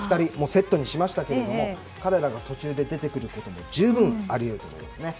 セットにしましたけども彼らが途中出てくることも十分あり得ると思います。